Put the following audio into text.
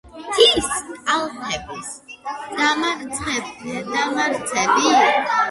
მთის კალთები დამრეცია.